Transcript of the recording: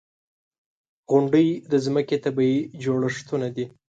• غونډۍ د ځمکې طبعي جوړښتونه دي.